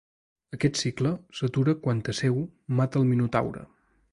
Aquest cicle s'atura quan Teseu mata el Minotaure.